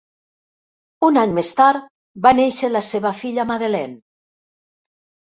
Un any més tard va néixer la seva filla, Madeleine.